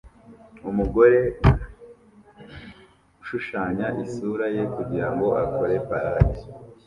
Umugore ushushanya isura ye kugirango akore parade